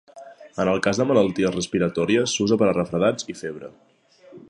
En el cas de malalties respiratòries s'usa per a refredats i febre.